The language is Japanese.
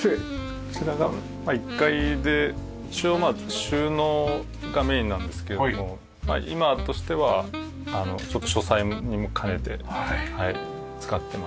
こちらが１階で一応まあ収納がメインなんですけれども今としてはあのちょっと書斎も兼ねて使ってます。